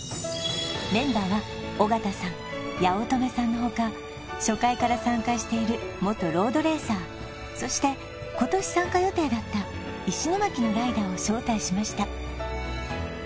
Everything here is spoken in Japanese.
メンバーは尾形さん八乙女さんの他初回から参加している元ロードレーサーそして今年参加予定だった石巻のライダーを招待しました